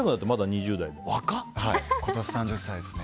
今年３０歳ですね。